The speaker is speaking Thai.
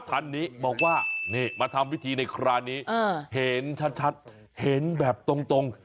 ท่านนี้บอกว่านี่มาทำพิธีในคราวนี้เห็นชัดเห็นแบบตรง